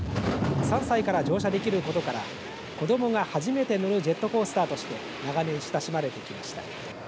３歳から乗車できることから子どもが初めて乗るジェットコースターとして長年親しまれてきました。